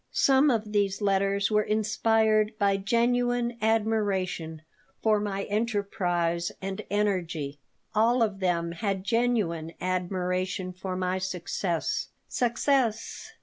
Some of these letters were inspired by genuine admiration for my enterprise and energy. All of them had genuine admiration for my success. Success!